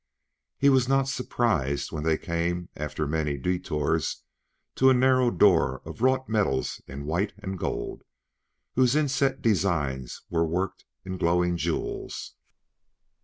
He was not surprised when they came after many detours to a narrow door of wrought metals in white and gold, whose inset designs were worked in glowing jewels.